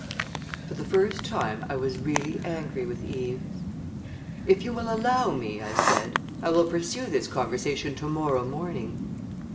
For the first time I was really angry with Eve. "If you will allow me," I said, "I will pursue this conversation to morrow morning."